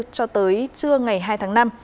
cho tới trưa ngày hai tháng năm